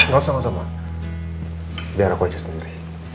nggak usah biar aku aja sendiri